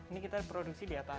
ini kita produksi di atas